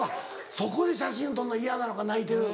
そこで写真を撮るの嫌なのか泣いてる。